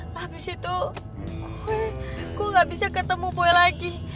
habis itu gue gak bisa ketemu boy lagi